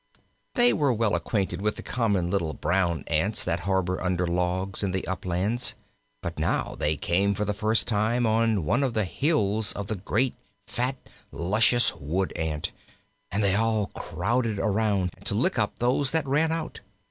They were well acquainted with the common little brown ants that harbor under logs in the uplands, but now they came for the first time on one of the hills of the great, fat, luscious Wood ant, and they all crowded around to lick up those that ran out.